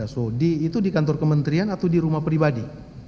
saudi itu di kantor kementerian atau di rumah pribadi